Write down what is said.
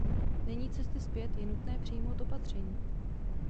Není cesty zpět, je nutné přijmout opatření.